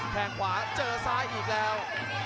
แข่งขวาเจอซ้ายอีกแล้ว